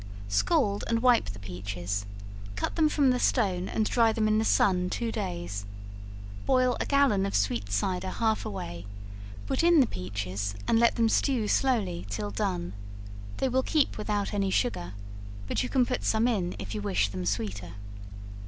Scald and wipe the peaches; cut them from the stone, and dry them in the sun two days; boil a gallon of sweet cider half away; put in the peaches, and let them stew slowly till done; they will keep without any sugar, but you can put some in, if you wish them sweeter.